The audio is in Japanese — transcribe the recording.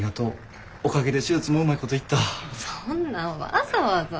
そんなんわざわざ。